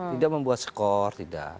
tidak membuat skor tidak